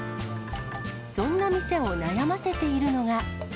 そんな店を悩ませているのが。